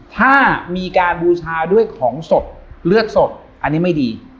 ถ้ามีการบูชาด้วยของศพเลือดศพอันนี้ไม่ดี